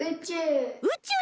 うちゅう。